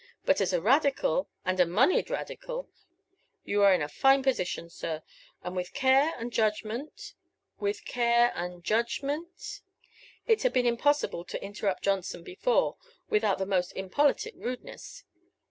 But as a Radical, and a moneyed Radical, you are in a fine position, sir; and with care and judgment with care and judgment " It had been impossible to interrupt Johnson before, without the most impolitic rudeness.